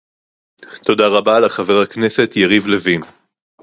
תודה רבה לחבר הכנסת יריב לוין